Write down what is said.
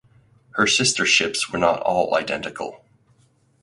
Her sister ships were not all identical.